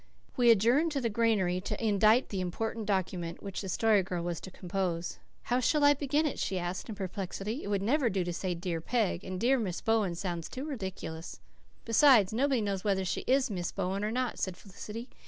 We adjourned to the granary to indite the important document, which the Story Girl was to compose. "How shall I begin it?" she asked in perplexity. "It would never do to say, 'Dear Peg,' and 'Dear Miss Bowen' sounds too ridiculous." "Besides, nobody knows whether she is Miss Bowen or not," said Felicity.